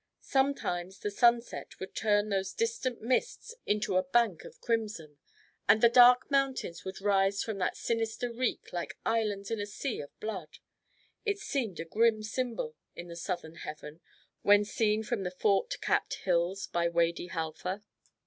Sometimes the sunset would turn those distant mists into a bank of crimson, and the dark mountains would rise from that sinister reek like islands in a sea of blood. It seemed a grim symbol in the southern heaven when seen from the fort capped hills by Wady Halfa.